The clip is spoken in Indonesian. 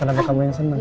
kenapa kamu yang senang